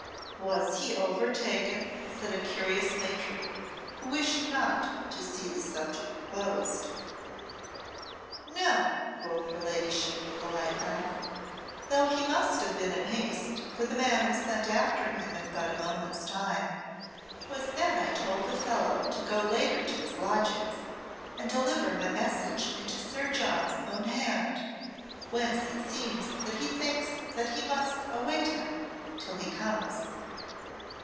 "Was he overtaken?" said a curious matron, who wished not to see the subject closed. "No," quoth her ladyship, with a light laugh "though he must have been in haste, for the man was sent after him in but a moment's time. 'Twas then I told the fellow to go later to his lodgings and deliver my message into Sir John's own hand, whence it seems that he thinks that he must await him till he comes."